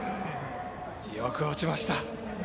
よく落ちました。